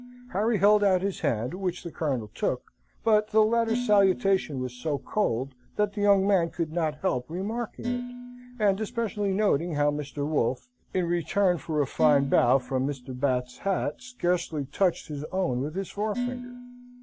Harry held out his hand, which the Colonel took, but the latter's salutation was so cold, that the young man could not help remarking it, and especially noting how Mr. Wolfe, in return for a fine bow from Mr. Batts's hat, scarcely touched his own with his forefinger.